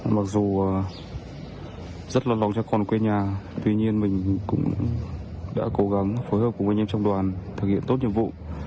mặc dù rất là lo cho con quê nhà tuy nhiên mình cũng đã cố gắng phối hợp cùng anh em trong đoàn thực hiện tốt nhiệm vụ